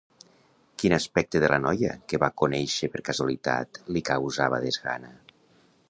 Quin aspecte de la noia que va conèixer per casualitat li causava desgana?